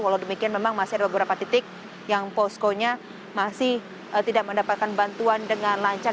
walau demikian memang masih ada beberapa titik yang poskonya masih tidak mendapatkan bantuan dengan lancar